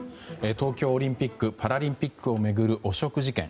東京オリンピック・パラリンピックを巡る汚職事件。